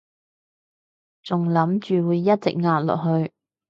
仲諗住會一直壓落去